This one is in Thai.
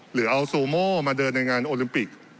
หรือเอาซูโมมาเดินในงานโอลิมปิก